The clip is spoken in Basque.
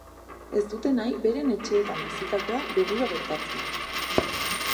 Ez dute nahi beren etxeetan bizitakoa berriro gertatzea.